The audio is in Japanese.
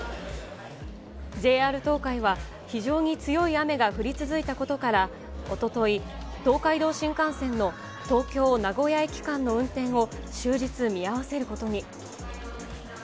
ＪＲ東海は、非常に強い雨が降り続いたことから、おととい、東海道新幹線の東京・名古屋駅間の運転を終日見合わせることに。